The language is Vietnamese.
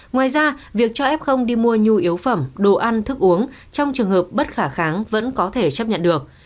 ngoài ra việc cho f đi mua nhu yếu phẩm đồ ăn thức uống trong trường hợp bất khả kháng vẫn có thể chấp nhận được